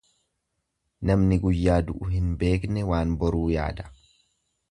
Namni guyyaa du'u hin beekne waan boruu yaada.